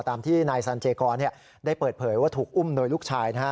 ตามที่นายสันเจกรได้เปิดเผยว่าถูกอุ้มโดยลูกชาย